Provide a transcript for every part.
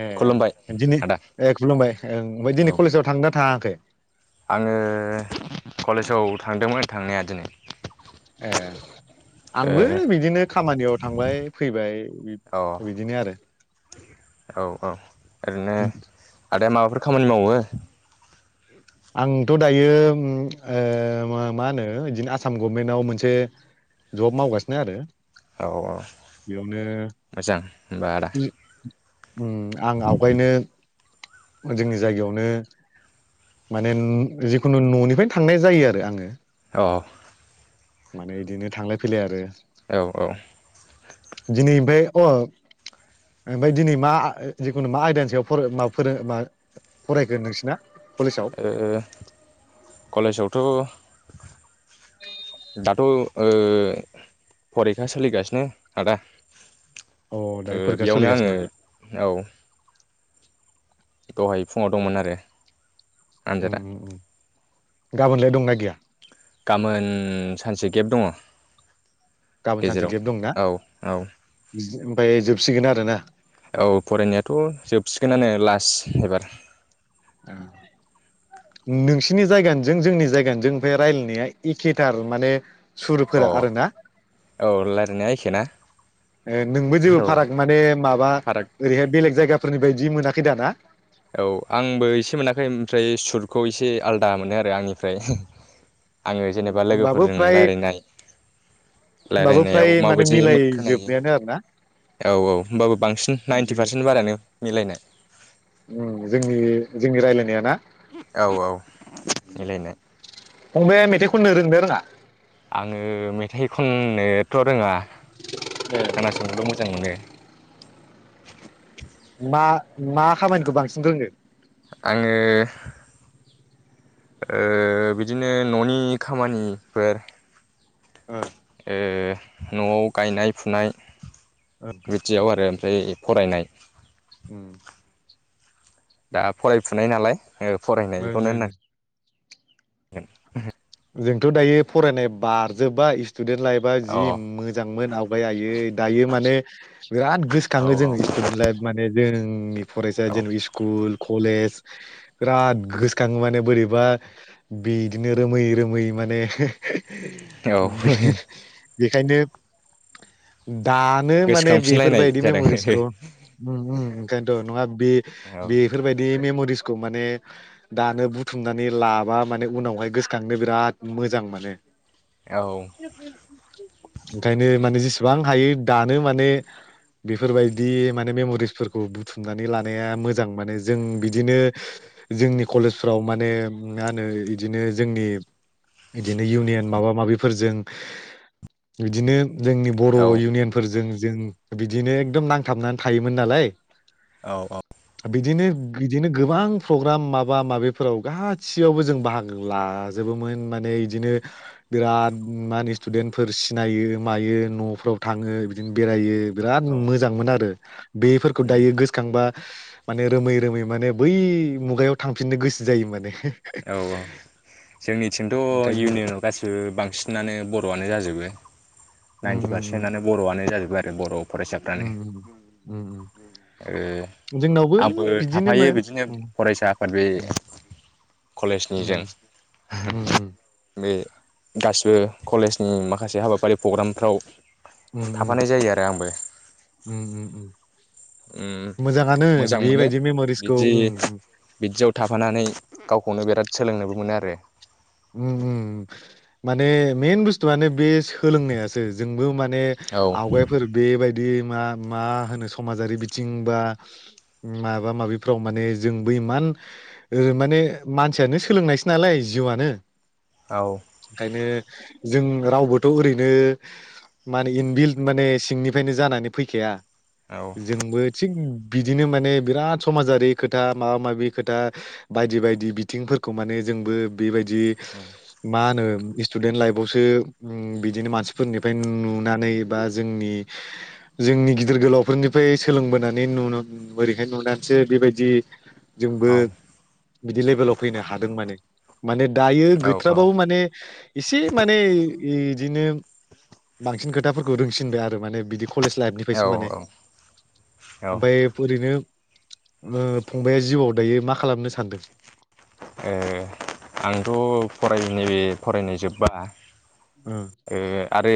खुलुमबाय ए दिनै आदा ए खुलुमबाय ओं ओमफ्राय औ दिनै कलेजाव थांदोंना थाङाखै? आङो कलेजाव थांदोंमोन थांनाया दिनै। ए आंबो बिदिनो खामानियाव थांबाय फैबाय ओ औ बिदिनो आरो। औ औ ओरैनो आदाया माबाफोर खामानि [inaudible] आंथ दायो ओ मा होनो इदिनो आसाम गभमेन्टाव मोनसे जब मावगासिनो आरो। औ औ बेयावनो मोजां होमबा आदा। उ आं आवगायनो। जोंनि जायगायावनो माने जिखुनु न'निफ्रायनो थांनाय जायो आरो आङो। अ माने इदिनो थांलाय फैलाय आरो औ औ दिनै ओमफाय अ ओमफाय दिनै मा जिखुनु मा आयदानि सायाव मा फोर मा फरायगोन नोंसिना। कलेजाव ओ कलेज आव थ' दाथ' ओ फरिखा सोलिगासिनो आदा अ दायो ओ फरिखा बेयावनो आङो सोलिगासिनो औ दहाय फुङाव दंमोन आरो उ आनजादा उ उ गाबोनलाय दंना गैया गाबोन सानसे गेब दङ। गाबोन सानसे गेब गेजेराव औ औ फाय जोबसिगोन आरो ना। औ फरायनायाथ जोबसिगोनानो लास एबार। नोंसिनि जायगानि जों जोंनि जायगानि जों ओमफाय रायलायनाया एखेथार माने अ सुरफोरा आरोना औ रायलायनाया एखे ना। ए नोंबो जेबो औ फाराग माने माबा फाराग ओरैहाय बेलेग जायगाफोरनि बाय दि मोनाखै दाना। औ आंबो एसे मोनाखै ओमफ्राय सुटखौ एसे आलदा मोनो आरो आंनिफ्राय आङो जेनेबा होमबाबो लोगोफोरजों फ्राय रायलाययनाय होमबाबो फ्राय रायलायनायाव माने माबायदि खोनायो मिलायजोबनायानो आरोना औ औ होनोमबाबो बांसिन नाइन्टि जोङो पारसेन्ट बारायानो मिलायनाय। जोंनि जोंनि रायलायनायाना औ औ मिलायनाय फंबाया खननो रोंना रोङा। आङो मेथाइ खननोथ रोङा खोनासंनोल मोजां मोनो। मा मा खामानिखौ बांसिन रोङो। आङो ओ बिदिनो न'नि खामानिफोर ओ ओ नआव गायनाय फुनाय ओं बिटियाव आरो ओमफ्राय फरायनाय उम दा फरायफुनाय नालाय ओ ओं फरायनायखौनो ओं होनां [unintelligible] जोंथ' दायो फरायनाय बारजोबाय स्टुदेन्ट लाइफआ अ जि औ मोजांमोन आवगाय आयै दायो माने बिराद गोसोखाङो जों औ स्टुदेन्ट लाइफ माने जों नि फरायसा औ जेन स्कुल कलेज बिराद गोसोखाङो माने बोरैबा बिदिनो रोमै दोमै माने औ [unintelligible] बेखायनो दानो माने गोसोखांफिनलायनाय बेफोरबायदि जादों मेम'रिसखौ औ उम उम ओंखायनोथ' नङा बे बेफोरबायदि मेम'रि बिसखौ माने दानो बुथुमनानै लाबा माने उनावहाय गोसोखां बे बिराद मोजां माने औ ओंखायनो माने जेसे बां हायो दानो माने बेफोरबायदि माने मेम'रिसफोरखौ बुथुमनानै लानाया मोजां माने जों बिदिनो जोंनि कलेजफ्राव माने मा होनो इदिनो जोंनि बिदिनो इउनियन माबा माबिफोरजों बिदिनो जोंनि बर' औ इउनियनफोरजों जों बिदिनो एकदम नांथाबनानै थायोमोन नालाय औ बिदिनो बिदिनो गोबां प्रग्राम माबा माबिफोराव गासियावबो जों बाहागो ला जोबोमोन माने इदिनो बिराद मानो स्टुदेन्टफोर सिनायो मायो न'फोराव थाङो बिदिनो बेरायो। बिराद औ उम मोजांमोन आरो बेफोरखौ दायो गोसोखांबा माने रोमै रोमै माने बै मुगायाव थांफिननो गोसो जायो माने औ औ जोंनि थिंथ' ओंखायनो इउनियनाव गासिबो बांसिनानो बर' बानो जाजोबो उम नाइन्टि उम पारसेन्टआनो बर'आनो जाजु बारो बर'ब उम उम उम उम। ओ उम जोंनावबो आंबो थाफायो बिदिनोमोन बिदिनो उम फरायसा आफाद बे कलेजनिजों उम उम उम बे गासिबो कलेजनि माखासे हाबाफारि प्रग्रामफ्राव उम उम थाफानाय जायो आरो आंबो उम उम उम। उम मोजाङानो मोजां मोनो बेबायदि मेम'रिसखौ बिदि उम उम बिदियाव थाफानानै गावखौनो बिराद सोलोंनोबो मोनो आरो उम उम माने मेन बुस्थुआनो बे सोलोंनायासो जोंबो माने बे औ आवगायफोर बेबाय दि मा मा होनो समाजारि बिथिं बा माबा माबिफ्राव माने जोंबो इमान ओ माने मानसियानो सोलोंनायसो नालाय जिउआनो औ ओंखायनो जों रावबोथ' ओरैनो माने इनबिल्ड माने सिंनिफ्रायनो जानानै फैखाया। औ जोंबो थिग बिदिनो माने बिराद समाजारि खोथा माबा माबि खोथा बायदि बायदि बिथिंफोरखौ माने जोंबो बेबायदि मा होनो स्टुदेन्ट लाइफआवसो ओम बिदिनो मानसिफोरनिफ्राय नुनानै बा जोंनि जोंनि गिदिर गोलावफोरनिफ्राय सोलोंबोनानै नु ओरैहाय नुनानैसो बेबायदि जोंबो बिदि लेभेलाव फैनो हादों माने। माने दायो गैथ्राबाबो माने एसे माने बिदिनो बांसिन खोथाफोरखौ रोंसिनदों आरो माने बिदि कलेज औ लाइफनिफ्रायसो माने ओ ओमफ्राय ओरैनो ओ फंबाया जिउआव दायो मा खालामनो सानदों? ओ आंथ' फरायनाय फरायनाय जोब्बा ओम ओ आरो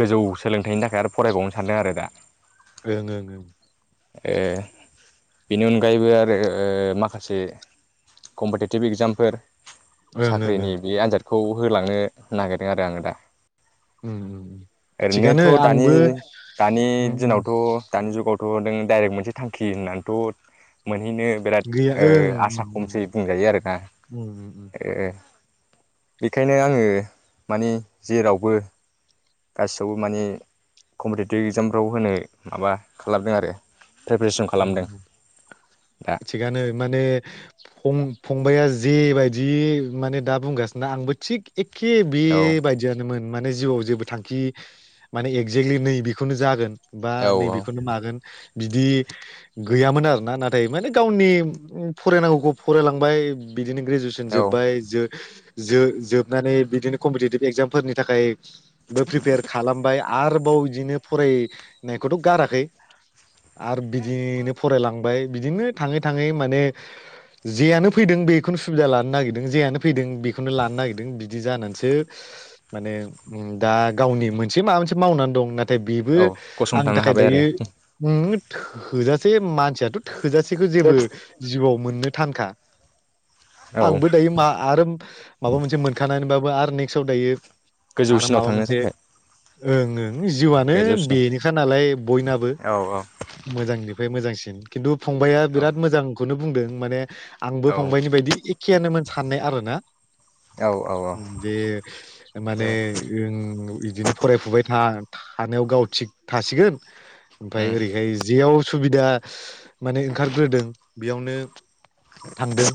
गोजौ सोलोंथाइनि थाखाय आरो फरायबावनो सानदों आरो दा। ओं ओं ओ बेनि अनगायैबो आरो माखासे कम्पिटिटिभ एग्जामफोर ओं ओं साख्रिनि बे आनजाद खौ होलांनो नागिरदों आरो आङो दा। ओं थिगानो ओरैनोथ' दानि आंबो दानि उम दिनावथ' दानि जुगाव गुन नों डाइरेक्ट मोनसे थांखि होननानैथ' मोन मोनहैनो बिराद गैया ओ ओं आसा खमसै उम बुंजायो आरोना उम उम ओ बेखायनो आङो माने जेरावबो गासैयावबो माने कम्पिटेटिभ एग्जामफ्राव होनो माबा खालामदों आरो प्रिपेरेसन खालामदों दा थिगानो माने फं फंबाया जे बायदि माने दा बुंगासिनो आंबो थिग एखे बे औ बायदियानोमोन माने जिउआव जेबो थांखि माने एगजेक्टलि नै बेखौनो जागोन बा औ नैबेखौनो मागोन बिदि गैयामोन आरोना नाथाय माने गावनि फरायनांगौखौ फरायलांबाय बिदिनो ग्रेजुवेटसन औ जोब्बाय जो जो-जोबनानै बिदिनो कम्पिटिटिभ एगजामफोरनि थाखाय बो प्रिपेयार खालामबाय। आरोबाव बिदिनो फरायनायखौथ' गाराखै। आरो बिदिनोफ फरायलांबाय बिदिनो थाङै थाङै माने जेयानो फैदों बेखौनो सुबिदा लानो नागिरदों जेयनो फैदों बेखौनो लानो नागिरदों बिदि जानानैसो माने दा गावनि मोनसे माबा मोनसे मावनानै दं ना थाय बेबो औ आंनि गसंथानो थाखाय हाबाय आरो दायो [unintelligible] थोजासे मानसियाथ' थो थोजासेखौ जेबो जिउआव मोननो थांखा औ आंबो दायो मा आरो माबा मोनसे मोनखानानै बाब बा आरो नेक्स्टआव दायो। आरो गोजौसिनाव माबा थांनो मोनसे थाखाय ओं ओं जिउआनो गोजौसिनाव बेनोखा नालाय बयनाबो औ मोजांनिफ्राय मोजांसिन किन्थु फंबाया औ बिराद मोजां खौनो बुंदों माने औ आंबो फंबायनि बायदि एखेयानोमोन। साननाय आरो ना? औ औ जे औ माने ओ ओं इदिनो फरायफुबाय था। थानायानायाव गाव थिग थासिगोन। उम ओमफ्राय ओरैहाय बेयाव सुबिदा माने ओंखारग्रोदों बेयावनो थांदों।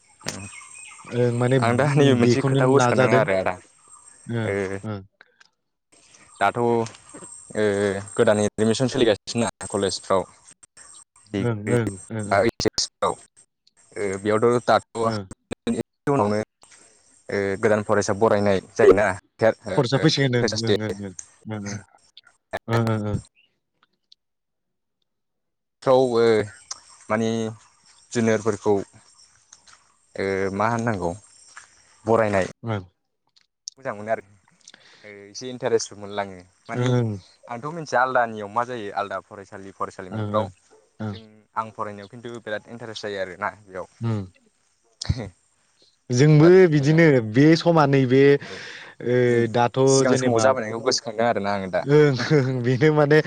[inaudible] ओ माने आं दा नैबे मोनसे बेखौनो खोथा गोसोखांदों नाजादों आरो आदा ओ ओ दाथ'ओ गोदानै एडमिसन सोलिगासिनोना कलेजफ्राव। ओं ओं ओं ओं [unintelligible] औ ओ बेयावथ ओं [unintelligible] उनावनो ओ गोदान फरायसा बरायनाय जायोना? फरसायाव फैसोन फ्रेसार्स होनदों नों [unintelligible] ओहो हो थौ ओ माने जुनारफोरखौ ओ मा होननांगौ। बरायनाय ओं ओं मोजां मोनो आरो ओ इसे इन्टारेस्टबो मोनलाय लाङो। ओं मानि ओं आंथ' मोनथिया आलदा याव मा जायो आलदा फरायसालि ओं ओं फरायसालिमाफ्राव ओं जों आं फरायनो खिन्थु बिराद इन्टारेस्ट जायो आरो ना बियाव ओं एहै जोंबो बिदिनो बे समा नैबे औ ओ नै दाथ' सिगां समाव जेनेबा जाबायनायखौ गोसो ओं ओं बेनो माने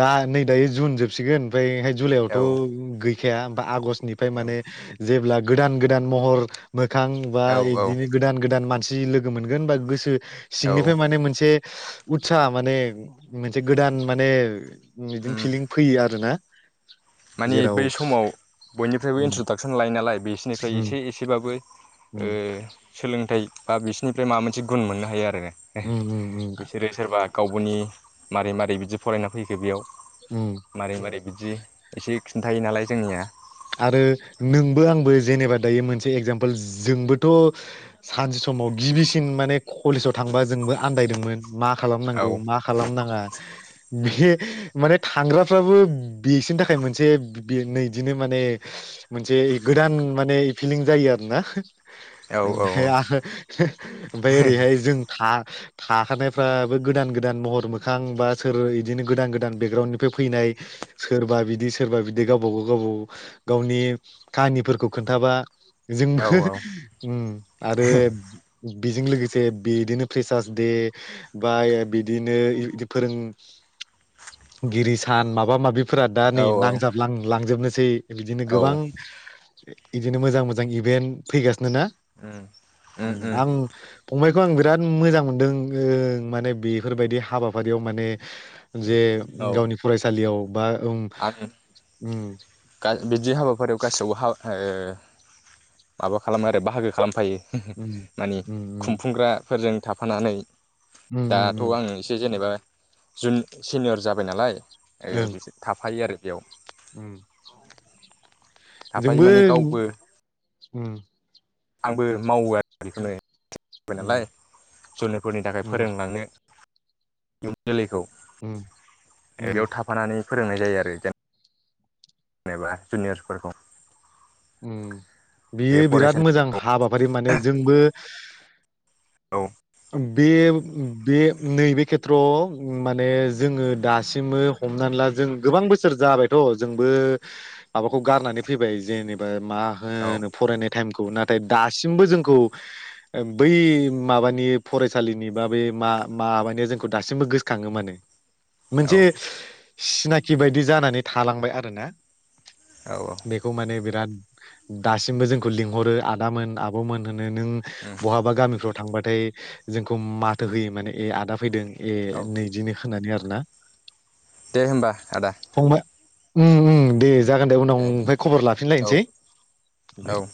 दा नै दायो जुन जोबसिगोन ओमफ्रायाय औ जुलाइआवथ' गै सोया बा आगष्ट निफ्राय औ माने जेब्ला गोदान गोदान महर मोखां बा औ औ इदिनो गोदान गोदान मान सि लोगो मोनगोन बा गोसो औ सिंनिफ्राय माने मोनसे उथसा माने मोनसे गोदान माने बिदिनो उम फिलिं फैयो आरो ना माने बै समाव बयनिफ्रायबो उम इन्ट्रदाक्सन लायो नालाय बिसोरनिफ्राय एसे एसेबाबो ओ उम सोलोंथाइ बा बिसोरनिफ्राय माबा मोनसे गुन मोननो हायो आरो उम उम उम बिसोरो सोरबा गावबनि मारै मारै बिदि फरायना फैखो बेयाव? उम मारै मारै दे एसे खिन्थायो नालाय जोंनिया आरो नोंबो आंबो जेनेबा दायो मोनसे एगजामपोल जोंबोथ' सानसे समाव गिबिसिन माने कलेजाव थांबा जोंबो आन्दायदोंमोन। मा औ खालामनांगौ मा खालामनाङा बे माने थांग्राफ्राबो बेसिनि थाखाय मोनसे नैदिनो माने मोनसे गोदान माने फिलिं जायो आरो ना औ औ ओमफ्राय [inaudible] ओमफ्राय ओरैहाय जों था थाखानायफ्राबो गोदान गोदान महर मोखां बा सोर बिदिनो गोदान गोदान बेकग्राउन्डनिफ्राय फैनाय सोरबा बिदि सोरबा बिदि गावबागाव गावबागाव गावनि काहानिफोरखौ खोन्थाबा जोंबो औ आरो बेजों लोगोसे बिदिनो प्रेसार्स दे बाय बिदिनो फोरोंगिरि सान माबा माबि फोर दा औ नै नांजाबलां लांजोबनो सै बिदिनो औ गोबां बिदिनो मोजां मोजां इभेन्ट फैगासिनो नो ना उम उम उम आं फंबाय बेखौ आं बिराद मोजां मोनदों ओ माने बेफोरबायदि हाबाफारियाव माने जे औ गावनि फरायसालियाव बा ओं ओ गा बिदि हाबाफारियाव गासैयावबो हाव हो माबा खालामो आरो बाहागो खालामफायो उम मानिे उम उम खुंफुंग्राफोरजों थाफानानै उम दाथ' उम उम आं एसे जेनेबा जुन सिनियर जाबाय नालाय ओ ओं बिसोर थाफायो आरो बेयाव उम थाफायो जोंबो माने गावबो उम आंबो मावो आरो बेखौनो जाबाय नालाय जुनफोरनि थाखाय उम फोरोंलांनो इयुन जोलैखौ उम ओरैयाव उम थाफानानै फोरोंनाय जायो आरो जेनब जेनेबा जनियरसफोरखौ उम बियो बिराद मोजां हाबाफारि माने जोंबो बे बे नैबे खेथ्रआव माने जोङो दासिमबो हमनानै ला जों गोबां बोसोर जाबायथ' जोंबो माबाखौ गारनानै फैबाय जेनेबा मा औ होनो फरायनाय टाइमखौ नाथाय दासिमबो जोंखौ बै माबानि फरायसालिनि बा बे मा माबानिया जोंखौ दासिमबो गोसोखाङो माने मोनसे औ सिनाखि बायदि जानानै थालांबाय आरो ना औ बेखौ माने बिराद दासिमबो जोंखौ लिंहरो आदामोन आब'मोन होन नो नों बहाबा गामिफ्राव थांबाथाय जोंखौ माथो होयो माने ए आदा फैदों ए औ नैदिनो [unintelligible] नानै आरो ना दे होमबा आदा उम उम दे जागोन दे उनाव ओमफाय खबर लाफिनलायनोसै औ दे औ